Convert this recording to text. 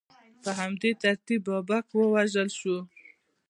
په همدې ترتیب بابک ووژل شو.